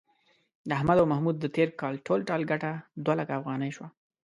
د احمد او محمود د تېر کال ټول ټال گټه دوه لکه افغانۍ شوه.